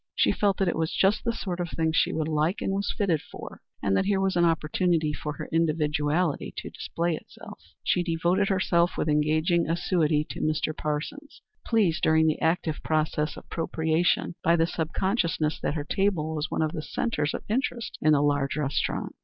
She felt that it was just the sort of thing she would like and was fitted for, and that here was an opportunity for her individuality to display itself. She devoted herself with engaging assiduity to Mr. Parsons, pleased during the active process of propitiation by the sub consciousness that her table was one of the centres of interest in the large restaurant.